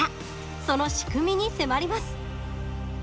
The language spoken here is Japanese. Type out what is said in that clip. その仕組みに迫ります。